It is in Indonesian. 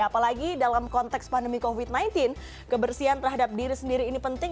apalagi dalam konteks pandemi covid sembilan belas kebersihan terhadap diri sendiri ini penting